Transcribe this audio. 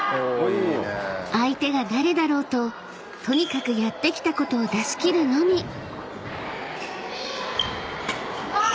［相手が誰だろうととにかくやってきたことを出し切るのみ！］